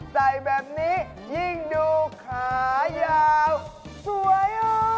ใส่แบบนี้ยิ่งดูขายาวสวย